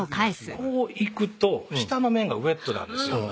こういくと下の面がウエットなんですよ